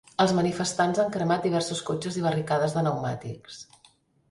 Els manifestants han cremat diversos cotxes i barricades de neumàtics.